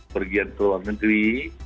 pergian ke luar negeri